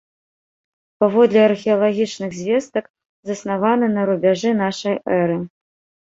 Паводле археалагічных звестак заснаваны на рубяжы нашай эры.